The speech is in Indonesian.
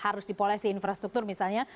harus dipolesi infrastruktur misalnya